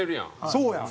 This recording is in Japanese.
そうやん。